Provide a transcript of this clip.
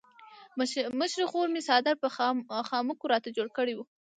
مشرې خور مې څادر په خامکو راته جوړ کړی وو.